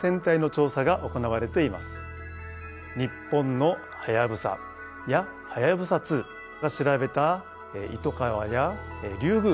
日本の「はやぶさ」や「はやぶさ２」が調べた「イトカワ」や「リュウグウ」。